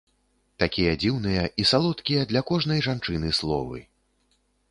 Такія дзіўныя і салодкія для кожнай жанчыны словы!